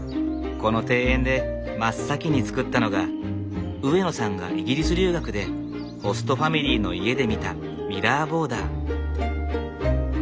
この庭園で真っ先に造ったのが上野さんがイギリス留学でホストファミリーの家で見たミラーボーダー。